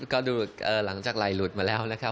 ก็ดูหลังจากไหลหลุดมาแล้วนะครับ